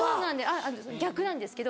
あっ逆なんですけど。